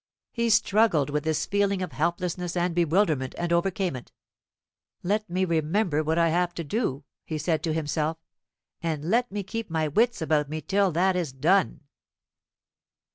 He struggled with this feeling of helplessness and bewilderment, and overcame it. "Let me remember what I have to do," he said to himself; "and let me keep my wits about me till that is done."